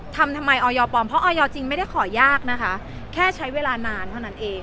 ทำไมออยปลอมเพราะออยจริงไม่ได้ขอยากนะคะแค่ใช้เวลานานเท่านั้นเอง